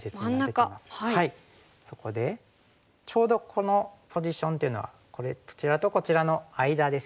そこでちょうどこのポジションっていうのはこちらとこちらの間ですよね。